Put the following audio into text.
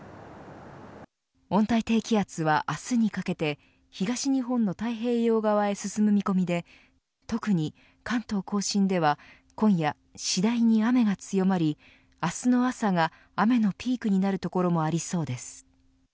温帯低気圧は明日にかけて東日本の太平洋側へ進む見込みで特に関東甲信では今夜次第に雨が強まり明日の朝が雨のピークになる所もありそうです。